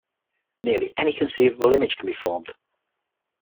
Nearly any conceivable image can be formed.